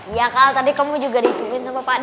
iya kak tadi kamu juga ditungguin sama pak d